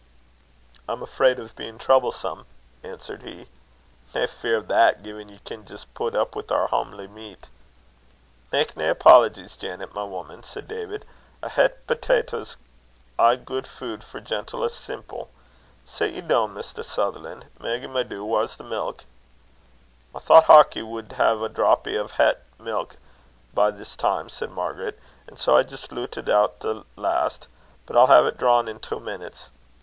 "I'm afraid of being troublesome," answered he. "Nae fear o' that, gin ye can jist pit up wi' oor hamely meat." "Mak nae apologies, Janet, my woman," said David. "A het pitawta's aye guid fare, for gentle or semple. Sit ye doun again, Maister Sutherlan'. Maggy, my doo, whaur's the milk?" "I thocht Hawkie wad hae a drappy o' het milk by this time," said Margaret, "and sae I jist loot it be to the last; but I'll hae't drawn in twa minutes."